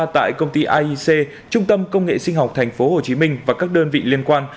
tại công ty aic trung tâm công nghệ sinh học tp hcm và các đơn vị liên quan